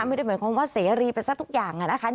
ไม่ได้หมายความว่าเสรีไปซะทุกอย่างนะคะ